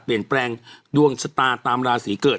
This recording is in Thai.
เปลี่ยนแปลงดวงชะตาตามราศีเกิด